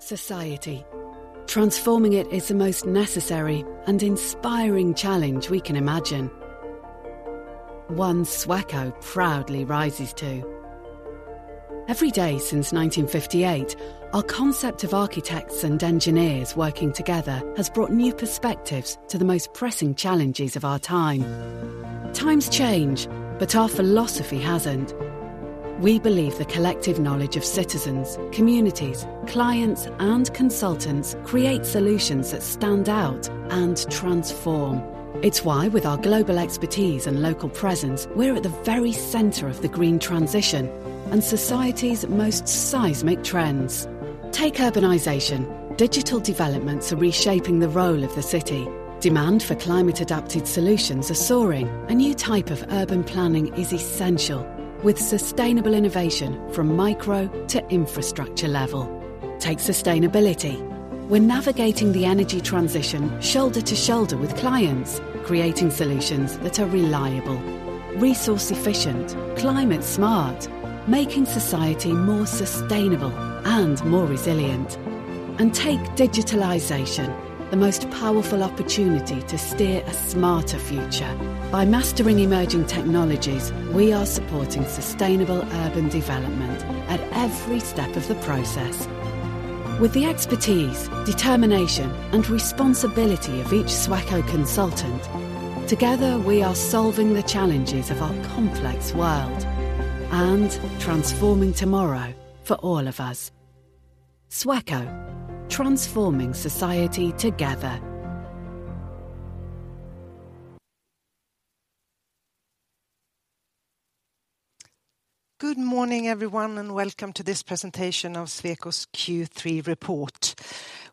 Society, transforming it is the most necessary and inspiring challenge we can imagine. One Sweco proudly rises to. Every day since 1958, our concept of architects and engineers working together has brought new perspectives to the most pressing challenges of our time. Times change, but our philosophy hasn't. We believe the collective knowledge of citizens, communities, clients, and consultants create solutions that stand out and transform. It's why, with our global expertise and local presence, we're at the very center of the green transition and society's most seismic trends. Take urbanization: digital developments are reshaping the role of the city. Demand for climate-adapted solutions are soaring. A new type of urban planning is essential, with sustainable innovation from micro to infrastructure level. Take sustainability: we're navigating the energy transition shoulder to shoulder with clients, creating solutions that are reliable, resource efficient, climate smart, making society more sustainable and more resilient. And take digitalization, the most powerful opportunity to steer a smarter future. By mastering emerging technologies, we are supporting sustainable urban development at every step of the process. With the expertise, determination, and responsibility of each Sweco consultant, together, we are solving the challenges of our complex world and transforming tomorrow for all of us. Sweco, transforming society together. Good morning, everyone, and welcome to this presentation of Sweco's Q3 report.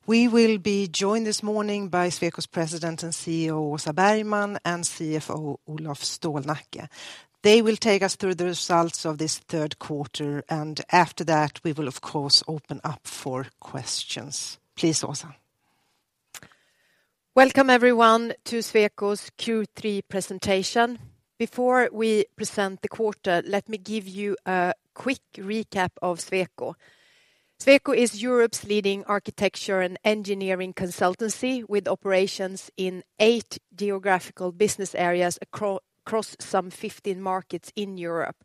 We will be joined this morning by Sweco's President and CEO, Åsa Bergman, and CFO, Olof Stålnacke. They will take us through the results of this third quarter, and after that, we will, of course, open up for questions. Please, Åsa. Welcome, everyone, to Sweco's Q3 presentation. Before we present the quarter, let me give you a quick recap of Sweco. Sweco is Europe's leading architecture and engineering consultancy, with operations in eight geographical business areas across some 15 markets in Europe.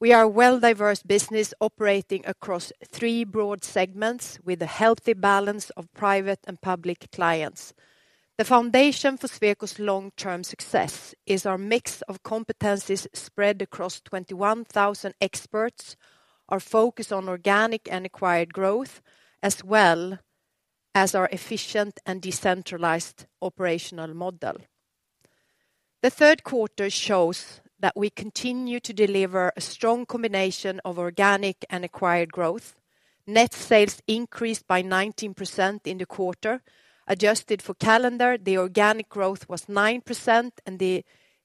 We are a well-diversified business operating across three broad segments with a healthy balance of private and public clients. The foundation for Sweco's long-term success is our mix of competencies spread across 21,000 experts, our focus on organic and acquired growth, as well as our efficient and decentralized operational model. The third quarter shows that we continue to deliver a strong combination of organic and acquired growth. Net sales increased by 19% in the quarter. Adjusted for calendar, the organic growth was 9% and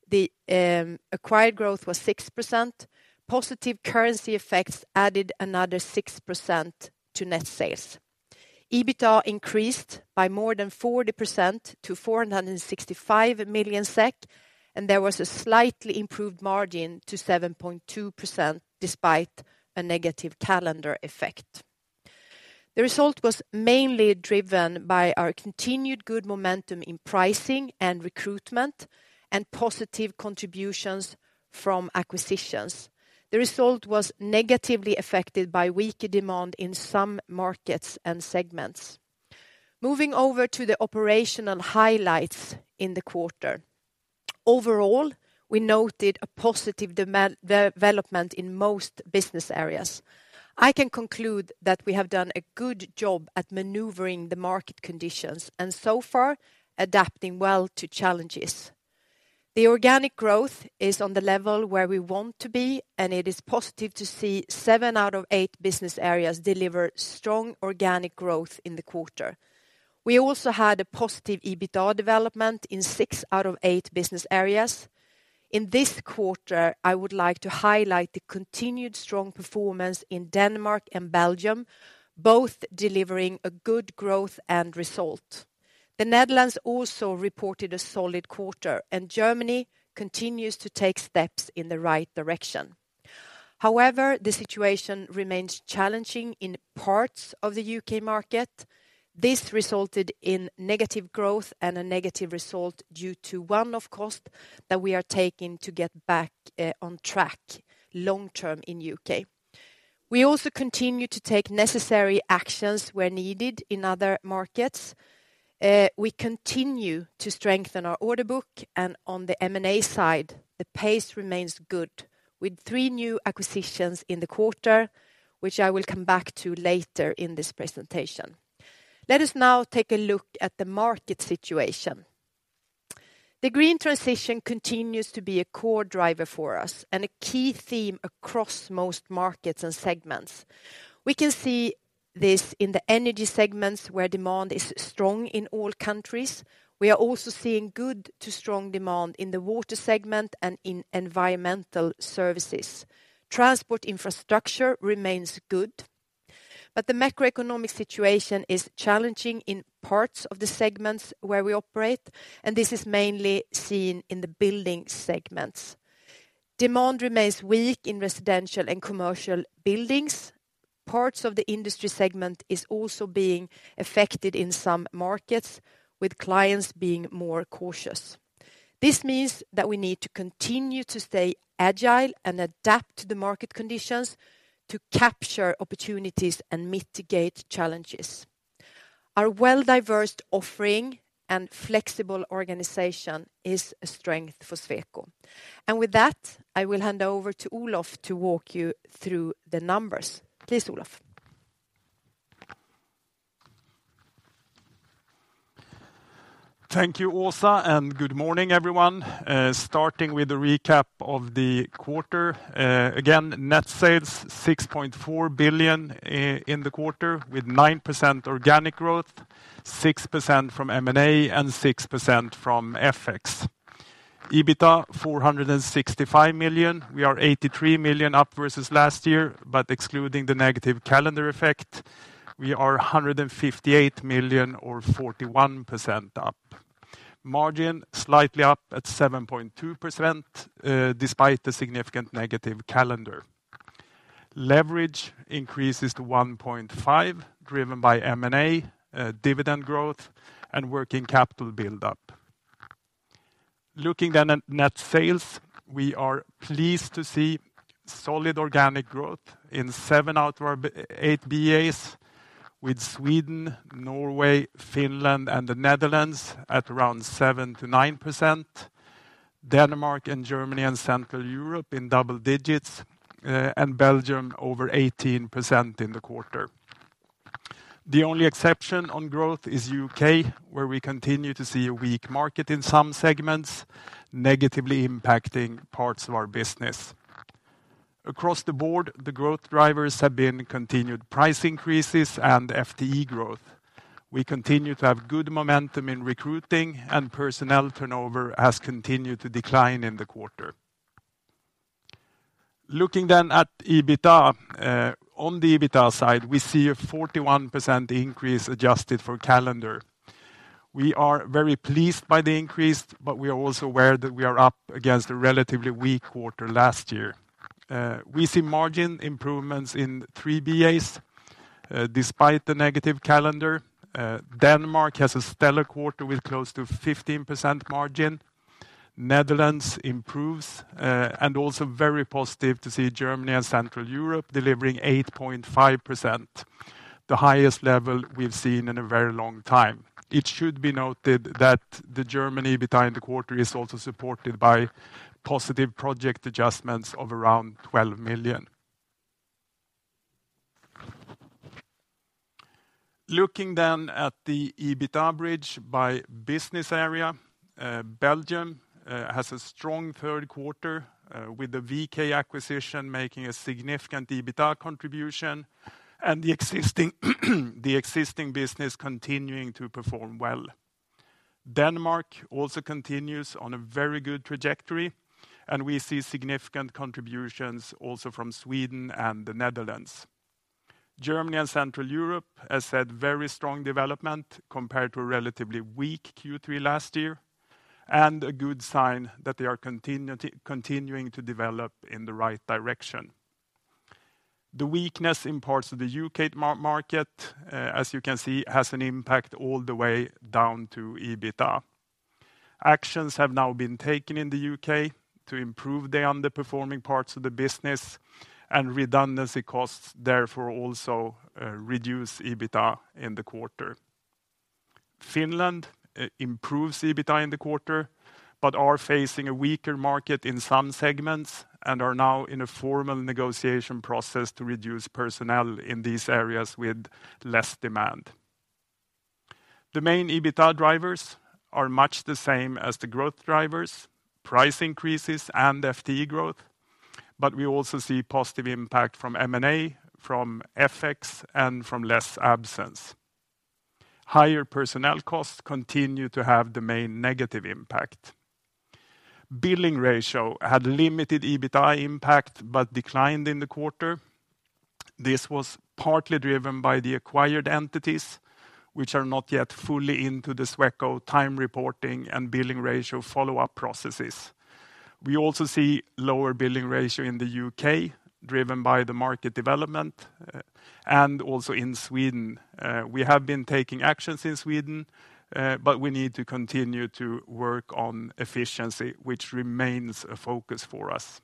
the acquired growth was 6%. Positive currency effects added another 6% to net sales. EBITDA increased by more than 40% to 465 million SEK, and there was a slightly improved margin to 7.2%, despite a negative calendar effect. The result was mainly driven by our continued good momentum in pricing and recruitment, and positive contributions from acquisitions. The result was negatively affected by weaker demand in some markets and segments. Moving over to the operational highlights in the quarter. Overall, we noted a positive development in most business areas. I can conclude that we have done a good job at maneuvering the market conditions and so far adapting well to challenges. The organic growth is on the level where we want to be, and it is positive to see seven out of eight business areas deliver strong organic growth in the quarter. We also had a positive EBITDA development in six out of eight business areas. In this quarter, I would like to highlight the continued strong performance in Denmark and Belgium, both delivering a good growth end result. The Netherlands also reported a solid quarter, and Germany continues to take steps in the right direction. However, the situation remains challenging in parts of the U.K. market. This resulted in negative growth and a negative result due to one-off cost that we are taking to get back on track long term in U.K. We also continue to take necessary actions where needed in other markets. We continue to strengthen our order book, and on the M&A side, the pace remains good, with three new acquisitions in the quarter, which I will come back to later in this presentation. Let us now take a look at the market situation. The green transition continues to be a core driver for us and a key theme across most markets and segments. We can see this in the energy segments, where demand is strong in all countries. We are also seeing good to strong demand in the water segment and in environmental services. Transport infrastructure remains good, but the macroeconomic situation is challenging in parts of the segments where we operate, and this is mainly seen in the building segments.... Demand remains weak in residential and commercial buildings. Parts of the industry segment is also being affected in some markets, with clients being more cautious. This means that we need to continue to stay agile and adapt to the market conditions to capture opportunities and mitigate challenges. Our well-diversified offering and flexible organization is a strength for Sweco. With that, I will hand over to Olof to walk you through the numbers. Please, Olof. Thank you, Åsa, and good morning, everyone. Starting with a recap of the quarter, again, net sales 6.4 billion in the quarter, with 9% organic growth, 6% from M&A, and 6% from FX. EBITDA 465 million. We are 83 million up versus last year, but excluding the negative calendar effect, we are 158 million or 41% up. Margin, slightly up at 7.2%, despite the significant negative calendar. Leverage increases to 1.5, driven by M&A, dividend growth, and working capital buildup. Looking at net sales, we are pleased to see solid organic growth in seven out of our eight BAs, with Sweden, Norway, Finland, and the Netherlands at around 7%-9%, Denmark, and Germany, and Central Europe in double digits, and Belgium over 18% in the quarter. The only exception on growth is U.K., where we continue to see a weak market in some segments, negatively impacting parts of our business. Across the board, the growth drivers have been continued price increases and FTE growth. We continue to have good momentum in recruiting, and personnel turnover has continued to decline in the quarter. Looking then at EBITDA, on the EBITDA side, we see a 41% increase adjusted for calendar. We are very pleased by the increase, but we are also aware that we are up against a relatively weak quarter last year. We see margin improvements in three BAs, despite the negative calendar. Denmark has a stellar quarter with close to 15% margin. Netherlands improves, and also very positive to see Germany and Central Europe delivering 8.5%, the highest level we've seen in a very long time. It should be noted that the Germany EBITDA in the quarter is also supported by positive project adjustments of around 12 million. Looking then at the EBITDA bridge by business area, Belgium has a strong third quarter, with the VK acquisition making a significant EBITDA contribution and the existing business continuing to perform well. Denmark also continues on a very good trajectory, and we see significant contributions also from Sweden and the Netherlands. Germany and Central Europe has had very strong development compared to a relatively weak Q3 last year, and a good sign that they are continuing to develop in the right direction. The weakness in parts of the U.K. market, as you can see, has an impact all the way down to EBITDA. Actions have now been taken in the U.K. to improve the underperforming parts of the business, and redundancy costs therefore also reduce EBITDA in the quarter. Finland improves EBITDA in the quarter, but are facing a weaker market in some segments and are now in a formal negotiation process to reduce personnel in these areas with less demand. The main EBITDA drivers are much the same as the growth drivers, price increases, and FTE growth, but we also see positive impact from M&A, from FX, and from less absence. Higher personnel costs continue to have the main negative impact. Billing ratio had limited EBITDA impact, but declined in the quarter. This was partly driven by the acquired entities, which are not yet fully into the Sweco time reporting and billing ratio follow-up processes. We also see lower billing ratio in the U.K., driven by the market development, and also in Sweden. We have been taking actions in Sweden, but we need to continue to work on efficiency, which remains a focus for us.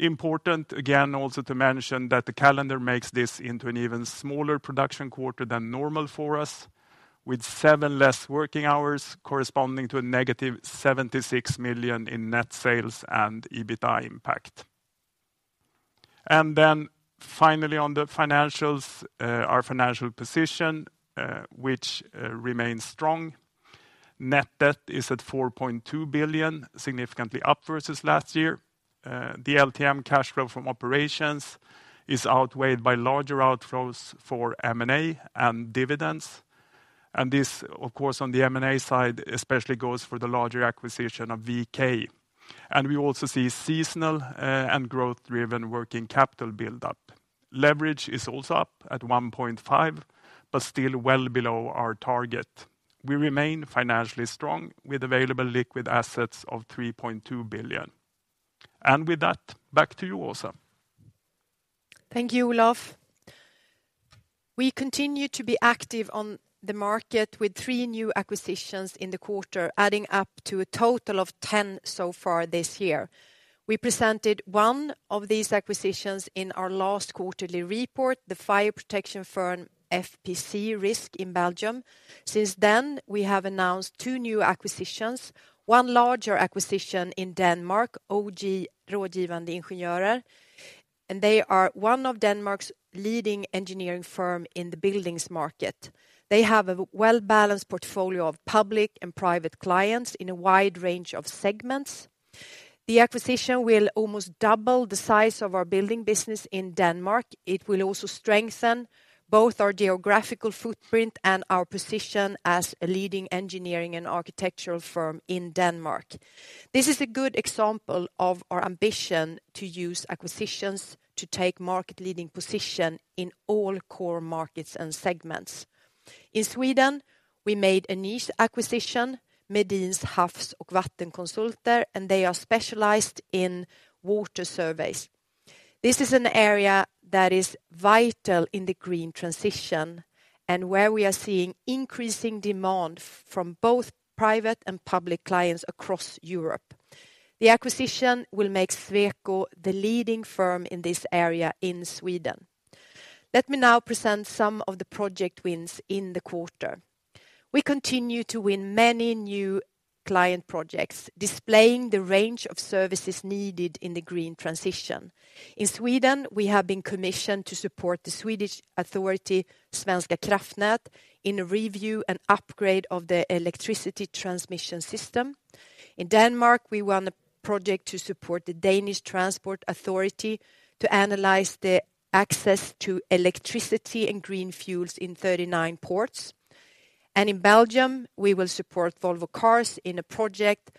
Important, again, also to mention that the calendar makes this into an even smaller production quarter than normal for us, with seven less working hours, corresponding to a negative 76 million in net sales and EBITDA impact. And then finally, on the financials, our financial position, which remains strong. Net debt is at 4.2 billion, significantly up versus last year. The LTM cash flow from operations is outweighed by larger outflows for M&A and dividends. And this, of course, on the M&A side, especially goes for the larger acquisition of VK. And we also see seasonal, and growth-driven working capital buildup.... Leverage is also up at 1.5, but still well below our target. We remain financially strong, with available liquid assets of 3.2 billion. And with that, back to you, Åsa. Thank you, Olof. We continue to be active on the market with three new acquisitions in the quarter, adding up to a total of 10 so far this year. We presented one of these acquisitions in our last quarterly report, the fire protection firm FPC Risk in Belgium. Since then, we have announced two new acquisitions, one larger acquisition in Denmark, OJ Rådgivende Ingeniører, and they are one of Denmark's leading engineering firm in the buildings market. They have a well-balanced portfolio of public and private clients in a wide range of segments. The acquisition will almost double the size of our building business in Denmark. It will also strengthen both our geographical footprint and our position as a leading engineering and architectural firm in Denmark. This is a good example of our ambition to use acquisitions to take market leading position in all core markets and segments. In Sweden, we made a niche acquisition, Medins Havs och Vattenkonsulter, and they are specialized in water surveys. This is an area that is vital in the green transition and where we are seeing increasing demand from both private and public clients across Europe. The acquisition will make Sweco the leading firm in this area in Sweden. Let me now present some of the project wins in the quarter. We continue to win many new client projects, displaying the range of services needed in the green transition. In Sweden, we have been commissioned to support the Swedish authority, Svenska kraftnät, in a review and upgrade of the electricity transmission system. In Denmark, we won a project to support the Danish Transport Authority to analyze the access to electricity and green fuels in 39 ports. In Belgium, we will support Volvo Cars in a project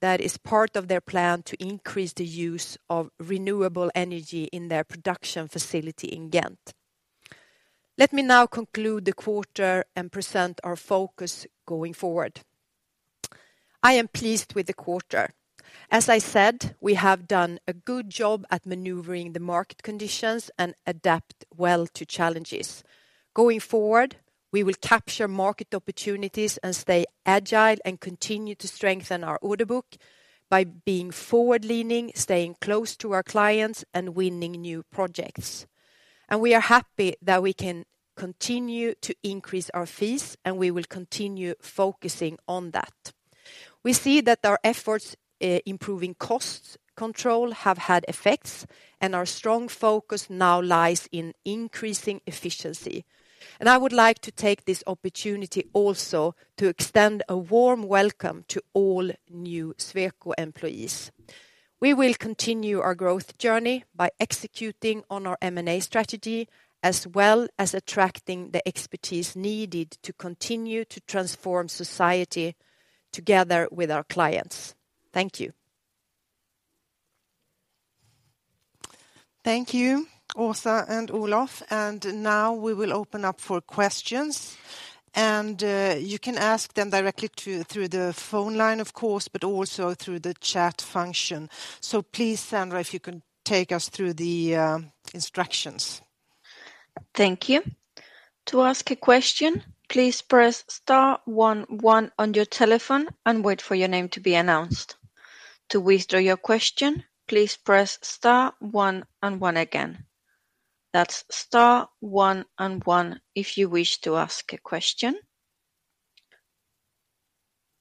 that is part of their plan to increase the use of renewable energy in their production facility in Ghent. Let me now conclude the quarter and present our focus going forward. I am pleased with the quarter. As I said, we have done a good job at maneuvering the market conditions and adapt well to challenges. Going forward, we will capture market opportunities and stay agile and continue to strengthen our order book by being forward-leaning, staying close to our clients, and winning new projects. And we are happy that we can continue to increase our fees, and we will continue focusing on that. We see that our efforts, improving cost control have had effects, and our strong focus now lies in increasing efficiency. I would like to take this opportunity also to extend a warm welcome to all new Sweco employees. We will continue our growth journey by executing on our M&A strategy, as well as attracting the expertise needed to continue to transform society together with our clients. Thank you. Thank you, Åsa and Olof, and now we will open up for questions. And, you can ask them directly through the phone line, of course, but also through the chat function. So please, Sandra, if you can take us through the instructions. Thank you. To ask a question, please press star one one on your telephone and wait for your name to be announced. To withdraw your question, please press star one and one again. That's star one and one if you wish to ask a question.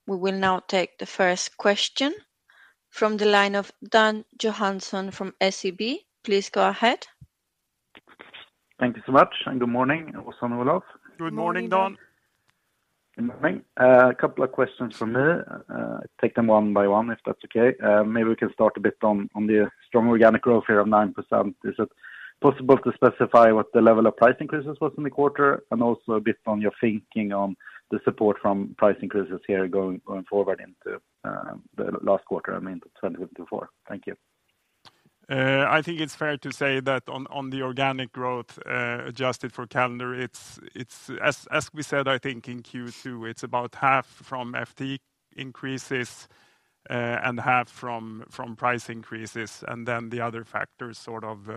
We will now take the first question from the line of Dan Johansson from SEB. Please go ahead. Thank you so much, and good morning, Åsa and Olof. Good morning, Dan. Good morning. Good morning. A couple of questions from me. Take them one by one, if that's okay. Maybe we can start a bit on the strong organic growth here of 9%. Is it possible to specify what the level of price increases was in the quarter, and also a bit on your thinking on the support from price increases here going forward into the last quarter, I mean, 2024? Thank you. I think it's fair to say that on the organic growth, adjusted for calendar, it's as we said, I think in Q2, it's about half from FT increases, and half from price increases, and then the other factors sort of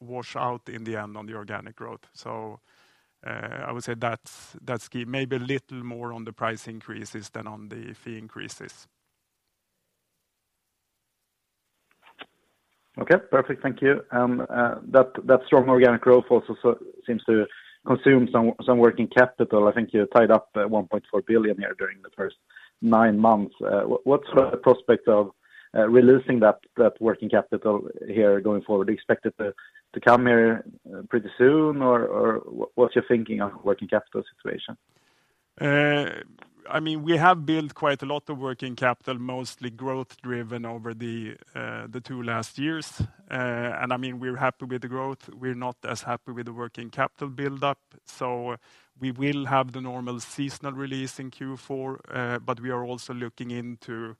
wash out in the end on the organic growth. So, I would say that's key. Maybe a little more on the price increases than on the fee increases. Okay, perfect. Thank you. That strong organic growth also seems to consume some working capital. I think you tied up 1.4 billion here during the first nine months. What's the prospect of releasing that working capital going forward? Do you expect it to come here pretty soon, or what's your thinking on working capital situation? I mean, we have built quite a lot of working capital, mostly growth driven over the two last years. I mean, we're happy with the growth. We're not as happy with the working capital buildup, so we will have the normal seasonal release in Q4, but we are also looking into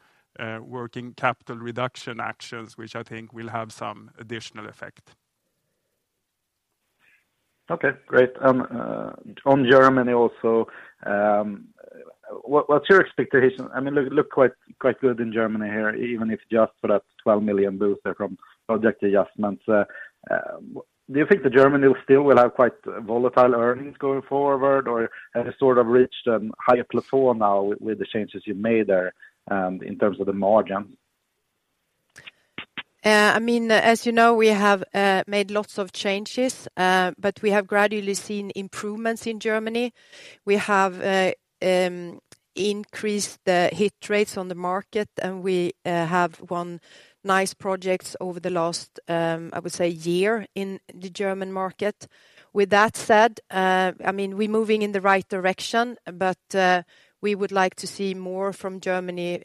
working capital reduction actions, which I think will have some additional effect.... Okay, great. On Germany also, what, what's your expectation? I mean, look, it looked quite, quite good in Germany here, even if just for that 12 million booster from project adjustments. Do you think that Germany will still will have quite volatile earnings going forward, or has it sort of reached a higher plateau now with, with the changes you made there, in terms of the margin? I mean, as you know, we have made lots of changes, but we have gradually seen improvements in Germany. We have increased the hit rates on the market, and we have won nice projects over the last, I would say, year in the German market. With that said, I mean, we're moving in the right direction, but we would like to see more from Germany,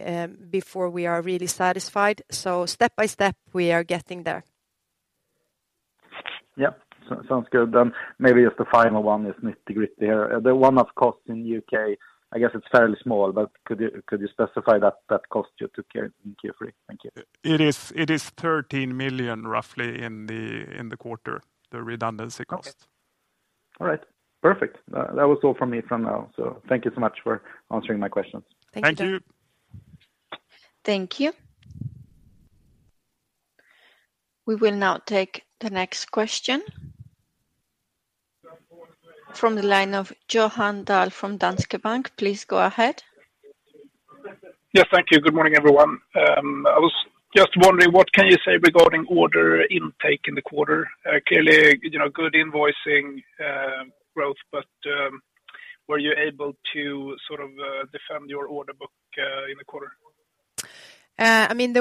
before we are really satisfied. So step by step, we are getting there. Yep, sounds good. Then maybe just the final one is the nitty-gritty here. The one-off cost in the U.K., I guess it's fairly small, but could you specify that cost you took care of in Q3? Thank you. It is 13 million, roughly, in the quarter, the redundancy cost. Okay. All right. Perfect. That was all from me for now, so thank you so much for answering my questions. Thank you. Thank you. Thank you. We will now take the next question from the line of Johan Dahl from Danske Bank. Please go ahead. Yes, thank you. Good morning, everyone. I was just wondering, what can you say regarding order intake in the quarter? Clearly, you know, good invoicing growth, but were you able to sort of defend your order book in the quarter? I mean, the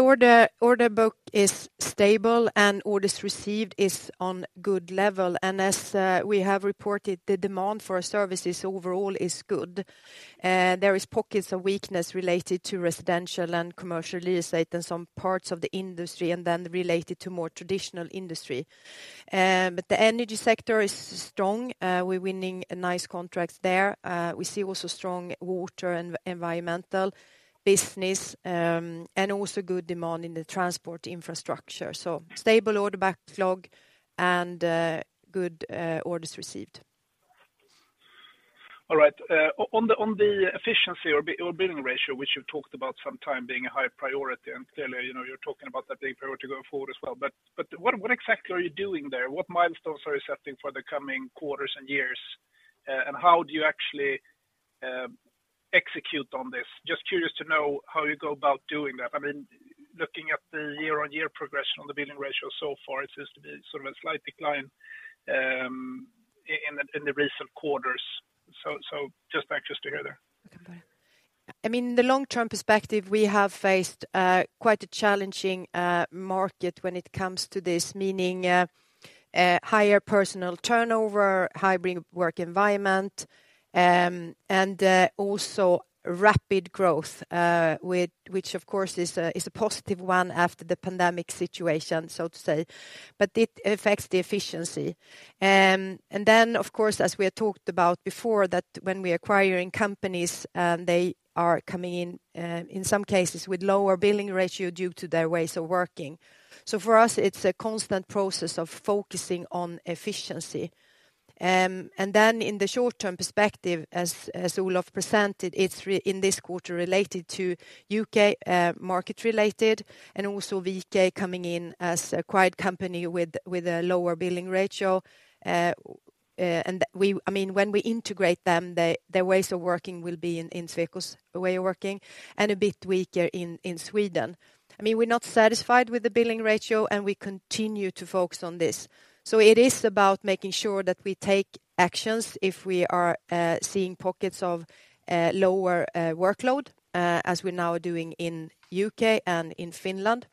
order book is stable, and orders received is on good level. As we have reported, the demand for our services overall is good. There is pockets of weakness related to residential and commercial real estate in some parts of the industry and then related to more traditional industry. But the energy sector is strong. We're winning nice contracts there. We see also strong water and environmental business, and also good demand in the transport infrastructure, so stable order backlog and good orders received. All right. On the efficiency or bill, or billing ratio, which you've talked about some time being a high priority, and clearly, you know, you're talking about that being a priority going forward as well. But what exactly are you doing there? What milestones are you setting for the coming quarters and years, and how do you actually execute on this? Just curious to know how you go about doing that. I mean, looking at the year-on-year progression on the billing ratio so far, it seems to be sort of a slight decline in the recent quarters. So just anxious to hear there. I mean, the long-term perspective, we have faced quite a challenging market when it comes to this, meaning higher personal turnover, hybrid work environment, and also rapid growth with which of course is a positive one after the pandemic situation, so to say, but it affects the efficiency. And then, of course, as we have talked about before, that when we acquiring companies, they are coming in in some cases with lower billing ratio due to their ways of working. So for us, it's a constant process of focusing on efficiency. And then in the short-term perspective, as Olof presented, it's in this quarter related to U.K. market related, and also VK coming in as a acquired company with a lower billing ratio. We, I mean, when we integrate them, their ways of working will be in Sweco's way of working and a bit weaker in Sweden. I mean, we're not satisfied with the billing ratio, and we continue to focus on this. So it is about making sure that we take actions if we are seeing pockets of lower workload, as we now are doing in U.K. and in Finland.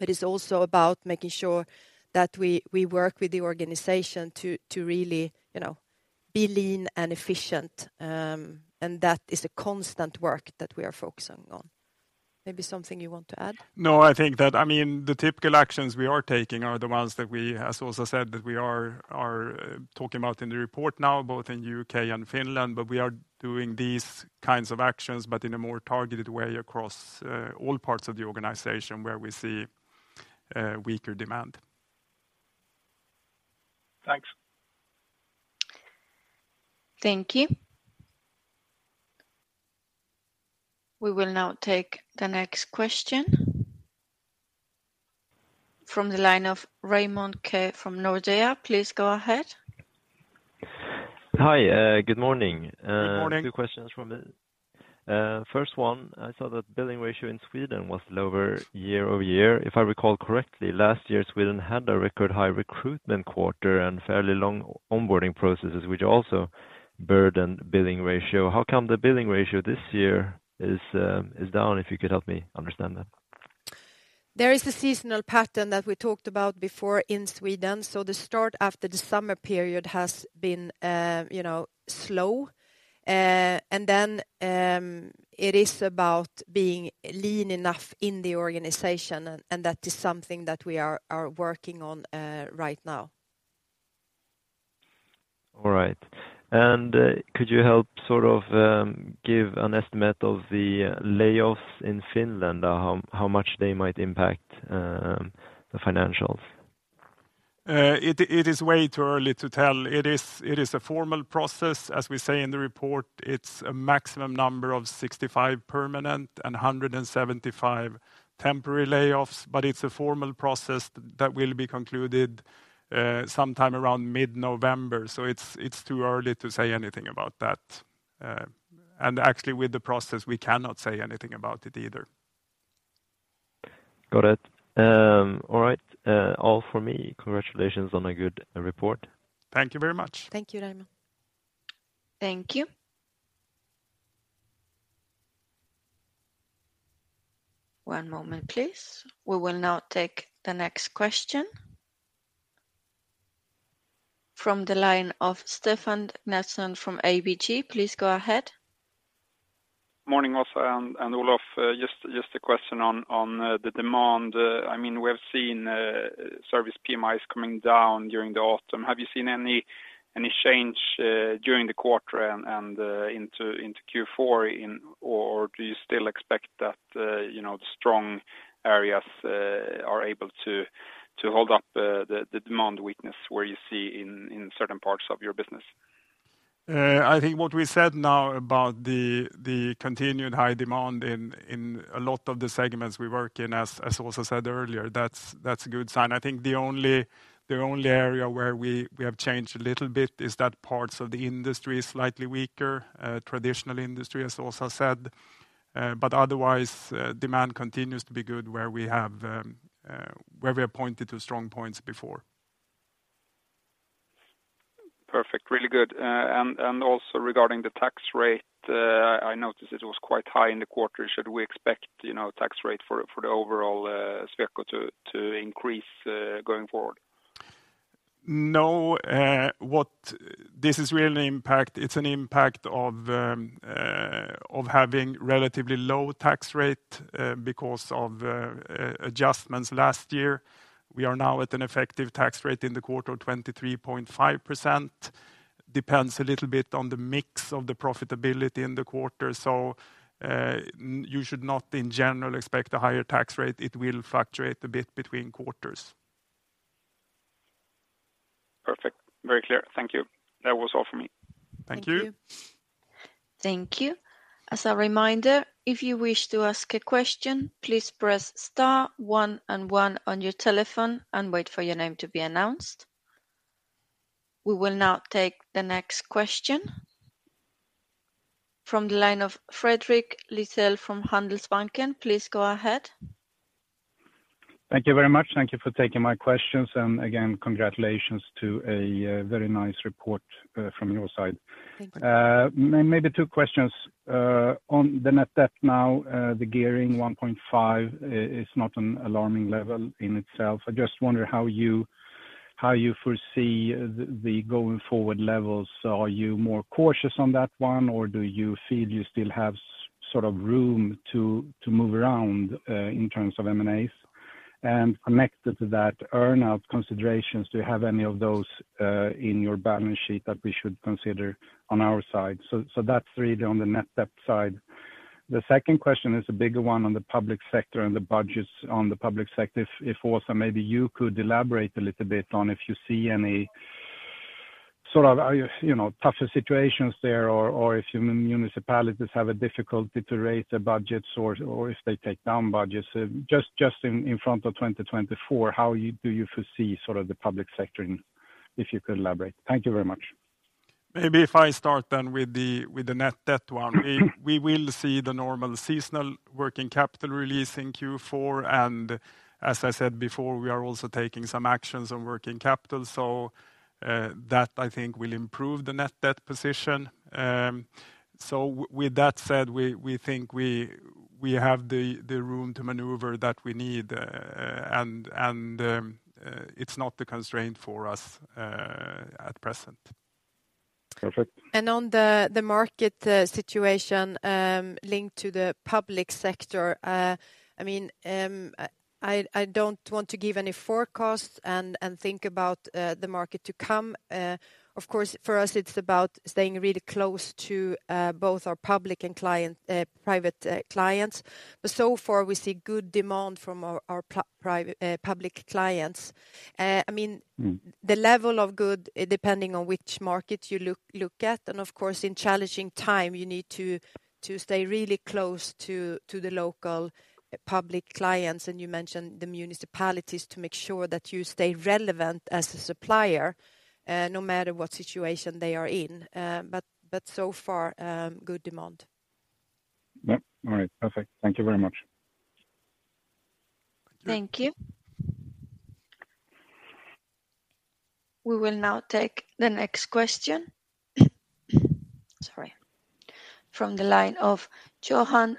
It is also about making sure that we work with the organization to really you know, be lean and efficient, and that is a constant work that we are focusing on. Maybe something you want to add? No, I think that, I mean, the typical actions we are taking are the ones that we, as also said, that we are talking about in the report now, both in U.K. and Finland, but we are doing these kinds of actions, but in a more targeted way across all parts of the organization where we see weaker demand. Thanks. Thank you. We will now take the next question from the line of Raymond Ke from Nordea. Please go ahead. Hi, good morning. Good morning. Two questions from me. First one, I saw that billing ratio in Sweden was lower year-over-year. If I recall correctly, last year, Sweden had a record high recruitment quarter and fairly long onboarding processes, which also burdened billing ratio. How come the billing ratio this year is down? If you could help me understand that. There is a seasonal pattern that we talked about before in Sweden, so the start after the summer period has been, you know, slow. And then, it is about being lean enough in the organization, and that is something that we are working on right now. All right. ... Could you help sort of give an estimate of the layoffs in Finland? How much they might impact the financials? It is way too early to tell. It is a formal process, as we say in the report, it's a maximum number of 65 permanent and 175 temporary layoffs, but it's a formal process that will be concluded sometime around mid-November. So it's too early to say anything about that. And actually with the process, we cannot say anything about it either. Got it. All right, all for me. Congratulations on a good report. Thank you very much. Thank you, Raymond. Thank you. One moment, please. We will now take the next question. From the line of Stefan Knutsson from ABG. Please go ahead. Morning, Åsa and Olof. Just a question on the demand. I mean, we have seen service PMIs coming down during the autumn. Have you seen any change during the quarter and into Q4? Or do you still expect that, you know, the strong areas are able to hold up the demand weakness where you see in certain parts of your business? I think what we said now about the continued high demand in a lot of the segments we work in, as Åsa said earlier, that's a good sign. I think the only area where we have changed a little bit is that parts of the industry is slightly weaker, traditional industry, as Åsa said. But otherwise, demand continues to be good where we have pointed to strong points before. Perfect. Really good. And also regarding the tax rate, I noticed it was quite high in the quarter. Should we expect, you know, tax rate for the overall Sweco to increase going forward? No, this is really an impact. It's an impact of having relatively low tax rate because of adjustments last year. We are now at an effective tax rate in the quarter of 23.5%. Depends a little bit on the mix of the profitability in the quarter, so you should not, in general, expect a higher tax rate. It will fluctuate a bit between quarters. Perfect. Very clear. Thank you. That was all for me. Thank you. Thank you. Thank you. As a reminder, if you wish to ask a question, please press star one and one on your telephone and wait for your name to be announced. We will now take the next question. From the line of Fredrik Lithell from Handelsbanken. Please go ahead. Thank you very much. Thank you for taking my questions, and again, congratulations to a very nice report from your side. Thank you. Maybe two questions. On the net debt now, the gearing 1.5 is not an alarming level in itself. I just wonder how you foresee the going forward levels. So are you more cautious on that one, or do you feel you still have sort of room to move around in terms of M&As? And connected to that, earn out considerations, do you have any of those in your balance sheet that we should consider on our side? So that's really on the net debt side. The second question is a bigger one on the public sector and the budgets on the public sector. If Åsa, maybe you could elaborate a little bit on if you see any sort of, you know, tougher situations there, or if municipalities have a difficulty to raise their budgets or if they take down budgets. Just in front of 2024, how do you foresee sort of the public sector? If you could elaborate. Thank you very much. Maybe if I start then with the net debt one. Mm-hmm. We will see the normal seasonal working capital release in Q4. And as I said before, we are also taking some actions on working capital. So, that I think will improve the net debt position. With that said, we think we have the room to maneuver that we need, and it's not a constraint for us at present. Perfect. On the market situation linked to the public sector, I mean, I don't want to give any forecast and think about the market to come. Of course, for us, it's about staying really close to both our public and private clients. But so far, we see good demand from our public clients. I mean- Mm. The level of good, depending on which market you look at, and of course, in challenging time, you need to stay really close to the local public clients, and you mentioned the municipalities, to make sure that you stay relevant as a supplier, no matter what situation they are in. But so far, good demand. Yep. All right. Perfect. Thank you very much. Thank you. Thank you. We will now take the next question, sorry, from the line of Johan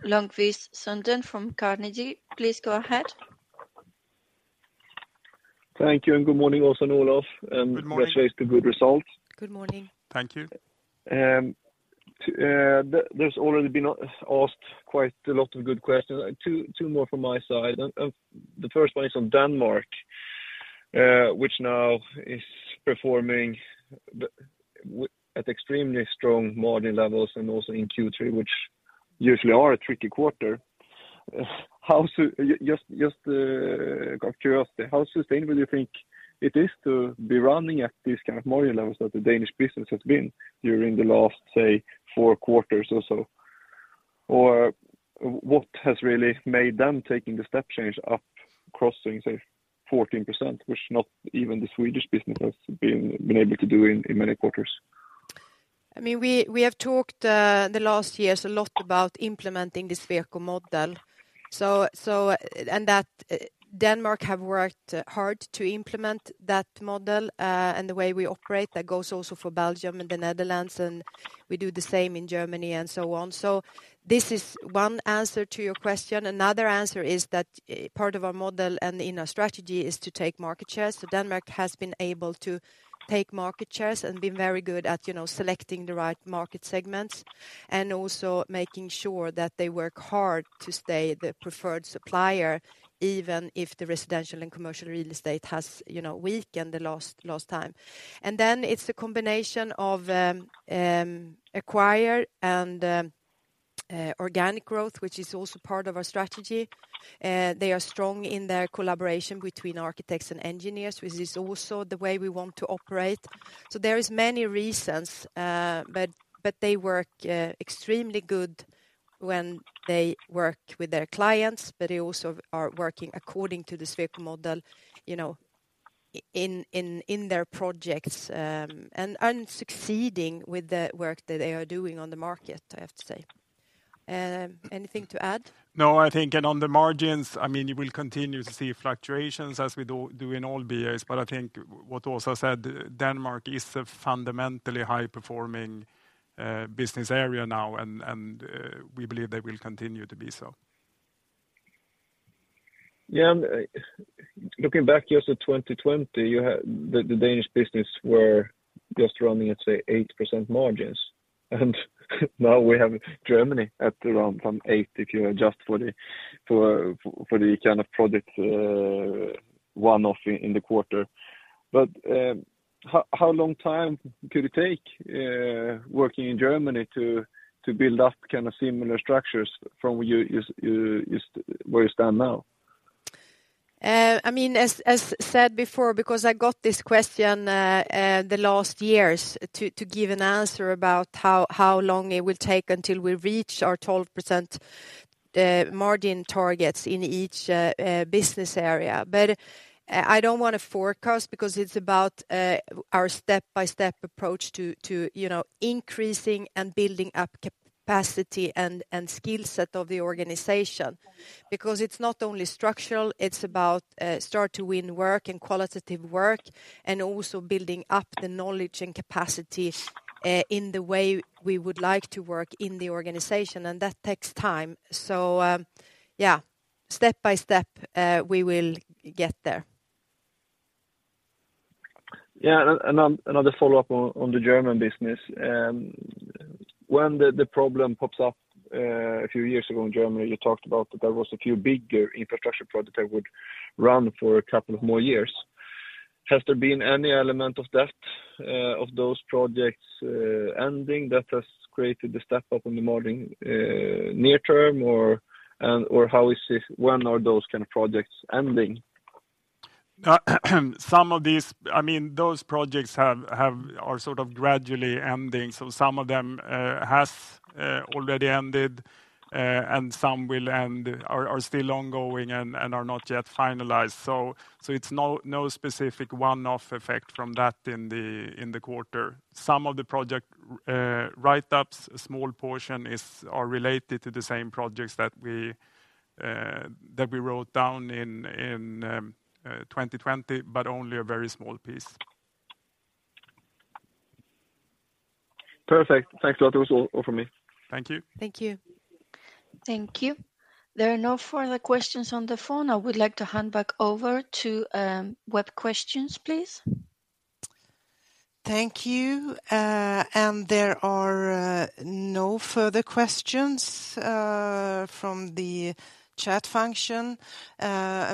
Sundén from Carnegie. Please go ahead. Thank you, and good morning, Åsa and Olof. Good morning. Congratulations to good results. Good morning. Thank you. There's already been asked quite a lot of good questions. Two more from my side, and the first one is on Denmark.... Which now is performing at extremely strong margin levels, and also in Q3, which usually are a tricky quarter. How, out of curiosity, how sustainable do you think it is to be running at these kind of margin levels that the Danish business has been during the last, say, four quarters or so? Or what has really made them taking the step change up, crossing, say, 14%, which not even the Swedish business has been able to do in many quarters? I mean, we have talked the last years a lot about implementing the Sweco model. So, and that Denmark have worked hard to implement that model, and the way we operate. That goes also for Belgium and the Netherlands, and we do the same in Germany, and so on. So this is one answer to your question. Another answer is that, part of our model and in our strategy is to take market shares. So Denmark has been able to take market shares and been very good at, you know, selecting the right market segments, and also making sure that they work hard to stay the preferred supplier, even if the residential and commercial real estate has, you know, weakened the last time. And then it's a combination of acquire and organic growth, which is also part of our strategy. They are strong in their collaboration between architects and engineers, which is also the way we want to operate. So there is many reasons, but they work extremely good when they work with their clients, but they also are working according to the Sweco model, you know, in their projects, and succeeding with the work that they are doing on the market, I have to say. Anything to add? No, I think and on the margins, I mean, you will continue to see fluctuations as we do in all BAs. But I think what Åsa said, Denmark is a fundamentally high-performing business area now, and we believe they will continue to be so. Yeah, and looking back just at 2020, you had... The Danish business were just running at, say, 8% margins, and now we have Germany at around from eight, if you adjust for the kind of project one-off in the quarter. But how long time could it take working in Germany to build up kind of similar structures from where you where you stand now? I mean, as said before, because I got this question the last years, to give an answer about how long it will take until we reach our 12% margin targets in each business area. But I don't want to forecast because it's about our step-by-step approach to, you know, increasing and building up capacity and skill set of the organization. Because it's not only structural, it's about start to win work and qualitative work, and also building up the knowledge and capacity in the way we would like to work in the organization, and that takes time. So, yeah, step by step, we will get there. Yeah, another follow-up on the German business. When the problem pops up a few years ago in Germany, you talked about that there was a few bigger infrastructure projects that would run for a couple of more years. Has there been any element of that of those projects ending that has created the step-up in the margin near term, or, and, or how is it? When are those kind of projects ending? Some of these—I mean, those projects have are sort of gradually ending. So some of them has already ended, and some will end are still ongoing and are not yet finalized. So it's no specific one-off effect from that in the quarter. Some of the project write-ups, a small portion is are related to the same projects that we wrote down in 2020, but only a very small piece. Perfect. Thanks a lot. That was all, all from me. Thank you. Thank you. Thank you. There are no further questions on the phone. I would like to hand back over to web questions, please. Thank you, and there are no further questions from the chat function.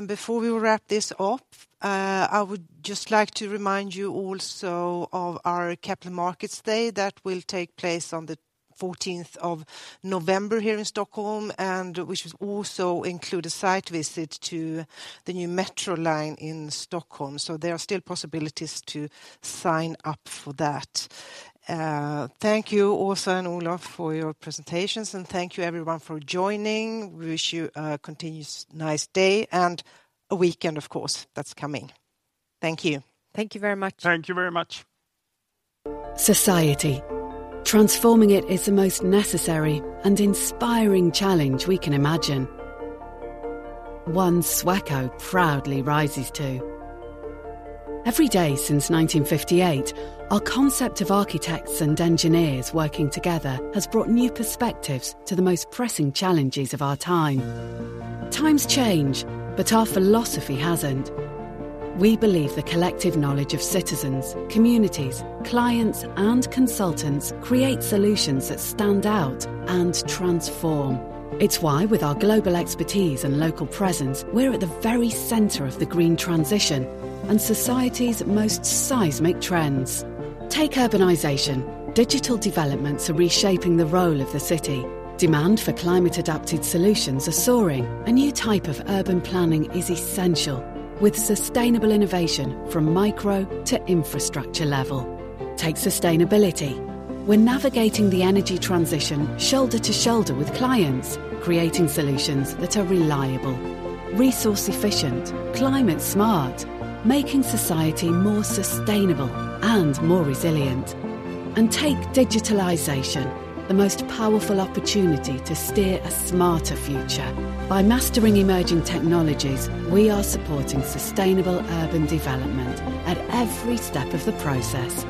Before we wrap this up, I would just like to remind you also of our Capital Markets Day. That will take place on the fourteenth of November here in Stockholm, and which will also include a site visit to the new metro line in Stockholm. So there are still possibilities to sign up for that. Thank you, Åsa and Olof, for your presentations, and thank you everyone for joining. We wish you a continuous nice day and a weekend, of course, that's coming. Thank you. Thank you very much. Thank you very much. Society, transforming it is the most necessary and inspiring challenge we can imagine. One Sweco proudly rises to. Every day since 1958, our concept of architects and engineers working together has brought new perspectives to the most pressing challenges of our time. Times change, but our philosophy hasn't. We believe the collective knowledge of citizens, communities, clients, and consultants create solutions that stand out and transform. It's why, with our global expertise and local presence, we're at the very center of the green transition and society's most seismic trends. Take urbanization: digital developments are reshaping the role of the city. Demand for climate-adapted solutions are soaring. A new type of urban planning is essential, with sustainable innovation from micro to infrastructure level. Take sustainability: we're navigating the energy transition shoulder to shoulder with clients, creating solutions that are reliable, resource efficient, climate smart, making society more sustainable and more resilient. Take digitalization: the most powerful opportunity to steer a smarter future. By mastering emerging technologies, we are supporting sustainable urban development at every step of the process.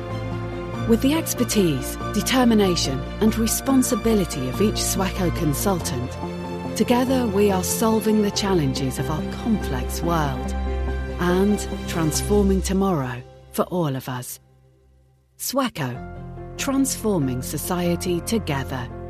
With the expertise, determination, and responsibility of each Sweco consultant, together, we are solving the challenges of our complex world and transforming tomorrow for all of us. Sweco, transforming society together.